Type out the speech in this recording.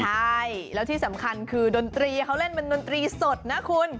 ใช่แล้วที่สำคัญคือดนตรีเขาเล่นเป็นดนตรีสดนะคุณ